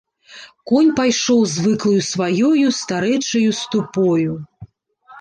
Конь пайшоў звыклаю сваёю старэчаю ступою.